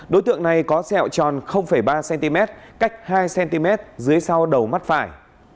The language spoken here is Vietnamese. đối tượng này có sẹo tròn ba cm cách hai cm dưới sau đầu mắt phải